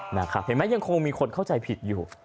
เห็นไหมยังคงมีคนเข้าใจผิดอยู่